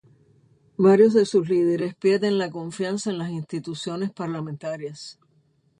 Varios de sus líderes pierden la confianza en las instituciones parlamentarias.